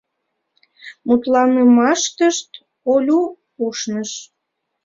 Мутланымаштышт Олю ушныш.